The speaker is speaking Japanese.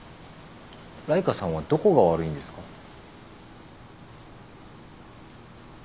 ライカさんはどこが悪いんですか？